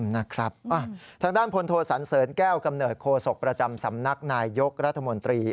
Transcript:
นะครับทางด้านพลโทสันเสริญแก้วกำเนิดโคศกประจำสำนักนายยกรัฐมนตรี